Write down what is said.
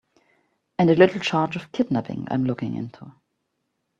And a little charge of kidnapping I'm looking into.